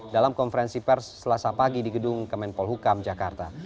dalam konferensi pers selasa pagi di gedung kemenpol hukam jakarta